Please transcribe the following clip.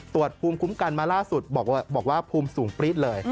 ภูมิคุ้มกันมาล่าสุดบอกว่าภูมิสูงปรี๊ดเลย